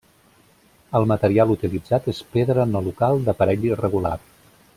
El material utilitzat és pedra no local d'aparell irregular.